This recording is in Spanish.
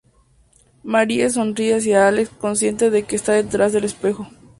Marie sonríe hacia a Alex, consciente de que está detrás del espejo.